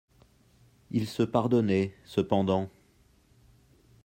Il se pardonnait, cependant.